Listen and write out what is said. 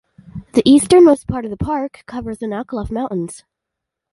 The easternmost part of the park covers the Naukluft Mountains.